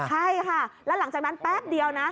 ใช่ค่ะแล้วหลังจากนั้นแป๊บเดียวนะ